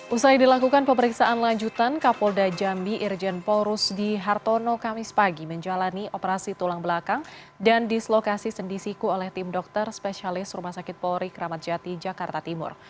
usai dilakukan pemeriksaan lanjutan kapolda jambi irjen paul rusdi hartono kamis pagi menjalani operasi tulang belakang dan dislokasi sendisiku oleh tim dokter spesialis rumah sakit polri kramat jati jakarta timur